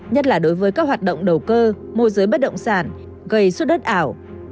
nhất là đối với các hoạt động đầu cơ môi giới bất động sản gây xuất đất ảo